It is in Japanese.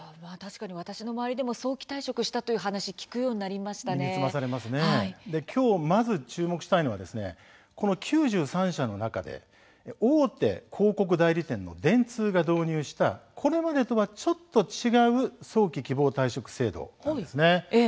私の周りでも早期退職したという話きょうまず注目したいのはこの９３社の中で大手広告代理店の電通が導入したこれまでとはちょっと違う早期・希望退職制度。